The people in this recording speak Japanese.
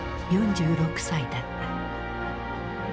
４６歳だった。